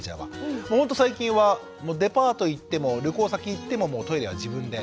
ほんと最近はデパート行っても旅行先行ってもトイレは自分で。